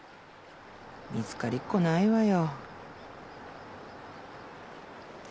見つかりっこないわよ。